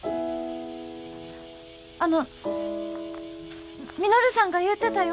あの稔さんが言うてたよ。